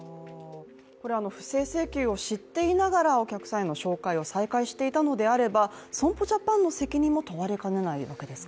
これ、不正請求を知っていながらお客さんへの紹介を再開していたのであれば損保ジャパンの責任も問われかねないわけですか。